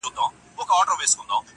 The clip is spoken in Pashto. غمونه هېر سي اتڼونو ته ډولونو راځي!!